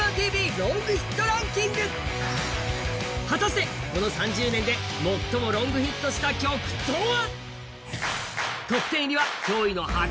果たしてこの３０年で最もロングヒットした曲とは？